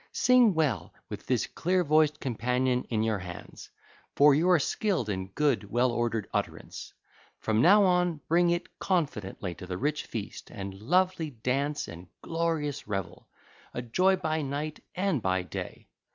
Sing well with this clear voiced companion in your hands; for you are skilled in good, well ordered utterance. From now on bring it confidently to the rich feast and lovely dance and glorious revel, a joy by night and by day.